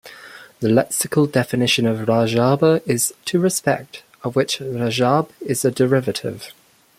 The lexical definition of Rajaba is "to respect", of which Rajab is a derivative.